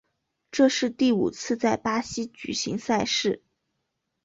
这是第五次在巴西举行赛事。